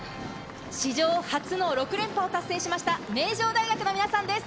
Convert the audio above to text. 史上初の６連覇を達成しました名城大学の皆さんです。